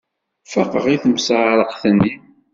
Faqeɣ i timseεreqt-nni.